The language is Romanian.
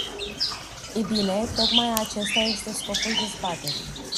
Ei bine, tocmai acesta este scopul dezbaterii!